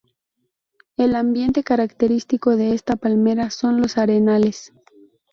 El ambiente característico de esta palmera son los arenales.